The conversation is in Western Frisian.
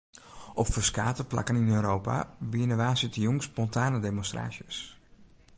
Op ferskate plakken yn Europa wiene woansdeitejûn spontane demonstraasjes.